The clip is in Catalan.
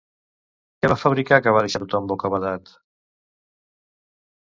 Què va fabricar que va deixar tothom bocabadat?